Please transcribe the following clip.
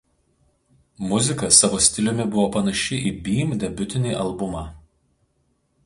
Muzika savo stiliumi buvo panaši į Beam debiutinį albumą.